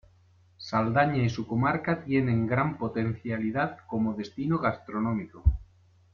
Saldaña y su comarca tienen gran potencialidad como destino gastronómico.